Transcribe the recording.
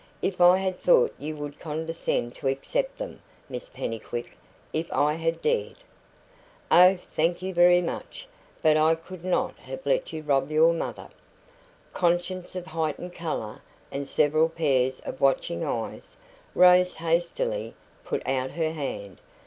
If I had thought you would condescend to accept them, Miss Pennycuick if I had dared " "Oh, thank you very much, but I could not have let you rob your mother " Conscious of heightened colour, and several pairs of watching eyes, Rose hastily put out her hand.